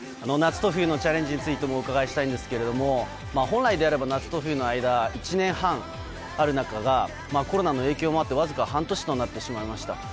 夏と冬のチャレンジについてもお伺いしたいんですけど本来であれば夏と冬の間１年半あるんですがコロナの影響もあってわずか半年となってしまいました。